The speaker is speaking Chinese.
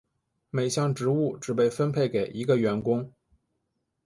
每项任务只被分配给一个员工。